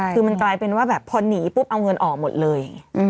คือมันกลายเป็นว่าแบบพอหนีปุ๊บเอาเงินออกหมดเลย